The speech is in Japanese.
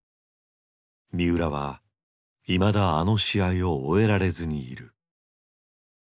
三浦はいまだあの試合を終えられずにいる。